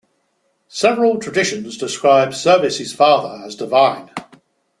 Several traditions describe Servius' father as divine.